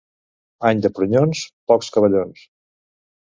Any de prunyons, pocs cavallons.